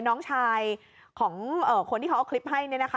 น้องชายของคนที่เขาเอาคลิปให้